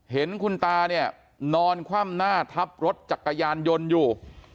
เห็นคุณตาเนี่ยนอนคว่ำหน้าทับรถจักรยานยนต์อยู่